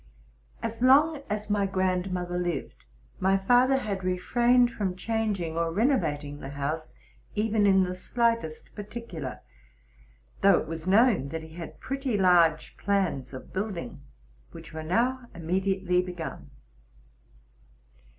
As long as my grandmother lived, my father had refrained from changing or renovating the house, even in the slightest particular ;; though it was known that he had pretty large "plans 14 TRUTH AND FICTION of building, which were now immediately begun.